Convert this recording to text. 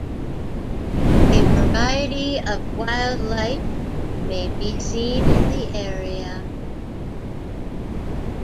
A variety of wildlife may be seen in the area.